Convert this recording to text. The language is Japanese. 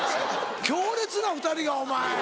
強烈な２人がお前。